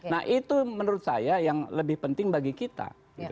nah itu menurut saya yang lebih penting bagi kita